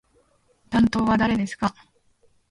担当は誰ですか？